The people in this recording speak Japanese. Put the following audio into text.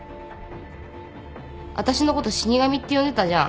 私のこと死神って呼んでたじゃん？